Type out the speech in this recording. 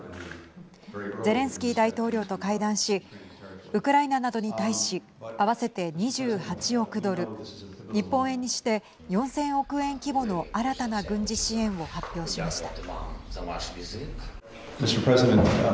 ゼレンスキー大統領と会談しウクライナなどに対し合わせて２８億ドル日本円にして４０００億円規模の新たな軍事支援を発表しました。